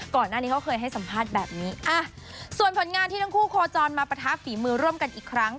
ก่อนหน้านี้เขาเคยให้สัมภาษณ์แบบนี้ส่วนผลงานที่ทั้งคู่โคจรมาปะทะฝีมือร่วมกันอีกครั้ง